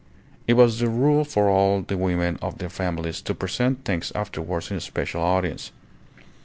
It was the rule for all the women of their families to present thanks afterwards in a special audience.